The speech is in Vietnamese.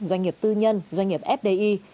doanh nghiệp tư nhân doanh nghiệp fdi